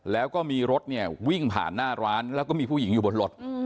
แล้วก็มีรถเนี่ยวิ่งผ่านหน้าร้านแล้วก็มีผู้หญิงอยู่บนรถ